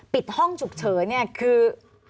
ปิดห้องฉุกเฉินเนี่ยคือ